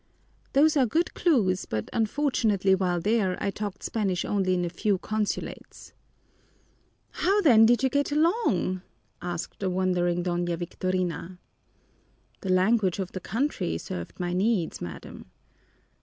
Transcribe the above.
"Those are good clues, but unfortunately while there I talked Spanish only in a few consulates." "How then did you get along?" asked the wondering Doña Victorina. "The language of the country served my needs, madam."